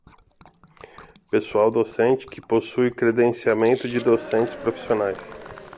Pessoal docente que possui credenciamento de docentes profissionais.